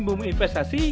kamu bder nih